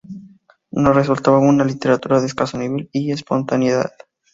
No resultaba una literatura de escaso nivel y espontaneidad.